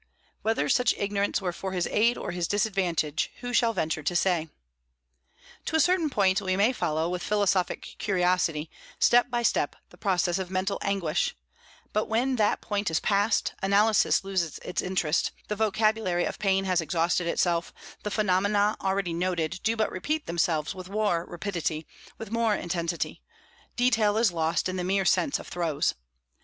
Whether such ignorance were for his aid or his disadvantage, who shall venture to say? To a certain point, we may follow with philosophic curiosity, step by step, the progress of mental anguish, but when that point is passed, analysis loses its interest; the vocabulary of pain has exhausted itself, the phenomena already noted do but repeat themselves with more rapidity, with more intensity detail is lost in the mere sense of throes.